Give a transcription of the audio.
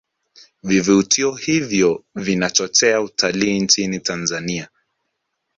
Vivutio hivyo vinachochea utalii nchini tanzania